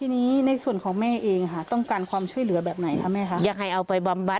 ในส่วนของแม่เองต้องการความช่วยเหลือแบบไหนยังไงเอาไปบำบัด